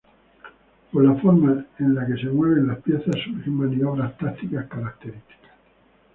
Por la forma en la que se mueven las piezas, surgen maniobras tácticas características.